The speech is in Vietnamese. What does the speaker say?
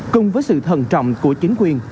cùng với sự thần trọng của chính quyền